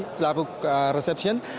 selaku kursi ini